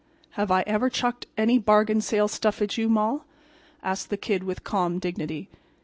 "Have I ever chucked any bargain sale stuff at you, Moll?" asked the Kid, with calm dignity.